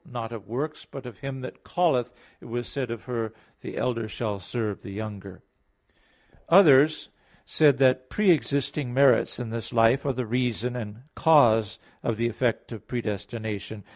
. not of works, but of Him that calleth, it was said of her: The elder shall serve the younger." Others said that pre existing merits in this life are the reason and cause of the effect of predestination.